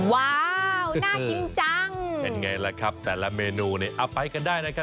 ว้าวน่ากินจังเป็นไงล่ะครับแต่ละเมนูนี้เอาไปกันได้นะครับ